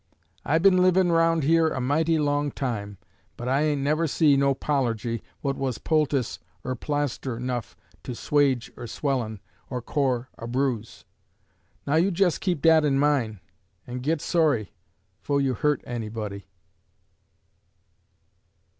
I bin livin' 'round here a mighty long time, but I ain't never see no polergy what wuz poultice er plaster nuff to swage er swellin' or kore a bruise. Now you jes keep dat in min' en git sorry fo' you hurt anybody."